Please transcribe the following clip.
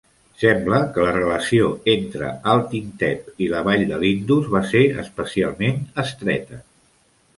Sembla que la relació entre Altin Tep i la vall de l'Indus va ser especialment estreta.